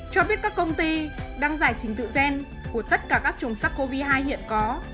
cho biết các công ty đang giải trình tự gen của tất cả các trùng sắc covid hai hiện có